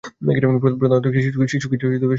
প্রধানত শিশু-কিশোর সাহিত্যের লেখক।